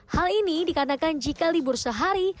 hal ini dikarenakan jika libur sehari